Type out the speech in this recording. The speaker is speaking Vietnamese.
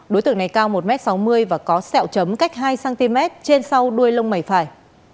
đối tượng này cao một m sáu mươi và có sẹo chấm cách hai cm trên sau đuôi lông mày phải